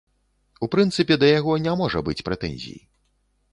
У прынцыпе, да яго не можа быць прэтэнзій.